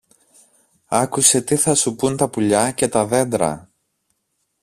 άκουσε τι θα σου πουν τα πουλιά και τα δέντρα